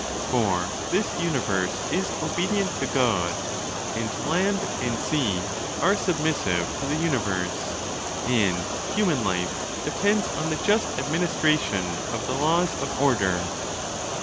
For this universe is obedient to God, and land and. sea are sub missive to the universe ; and human life depends on the just administration of the laws of order.